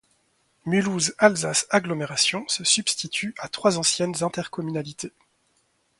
Mulhouse Alsace Agglomération se substitue à trois anciennes intercommunalités.